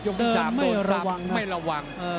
ที่๓โดนซ้ำไม่ระวัง